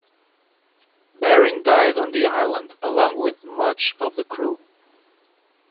Bering died on the island along with much of the crew.